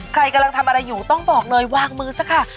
ใครกำลังทำอะไรอยู่ต้องบอกเลยวางมือซะค่ะ